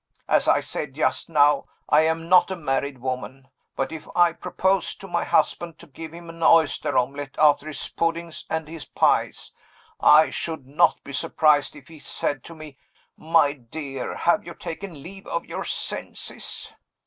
As I said just now I am not a married woman. But if I proposed to my husband to give him an oyster omelet after his puddings and his pies, I should not be surprised if he said to me, 'My dear, have you taken leave of your senses?